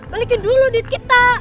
balikin dulu di kita